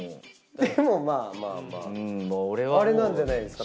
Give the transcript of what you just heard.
でもまあまああれなんじゃないですか？